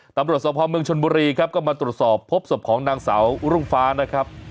ตำรวจสภาพเมืองชนบุรีครับก็มาตรวจสอบพบศพของนางสาวรุ่งฟ้านะครับ